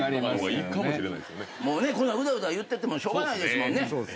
こんなうだうだ言っててもしょうがないですもんね。